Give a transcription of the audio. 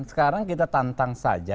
sekarang kita tantang saja